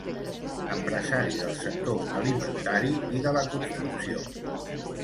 Empresari del sector alimentari i de la construcció.